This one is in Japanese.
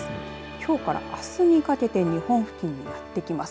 きょうからあすにかけて日本付近にやってきます。